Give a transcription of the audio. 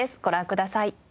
ご覧ください。